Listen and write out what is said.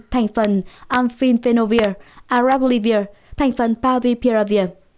thành phần amphiphenovir arablivir thành phần pavipiravir